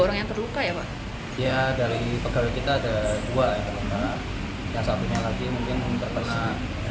orang yang terluka ya pak ya dari pegawai kita ada dua yang satu lagi mungkin meminta persidangan